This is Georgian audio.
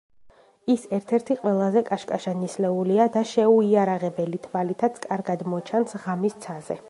ის ერთ-ერთი ყველაზე კაშკაშა ნისლეულია და შეუიარაღებელი თვალითაც კარგად მოჩანს ღამის ცაზე.